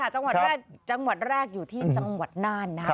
ใช่ค่ะจังหวัดแรกอยู่ที่จังหวัดนานนะ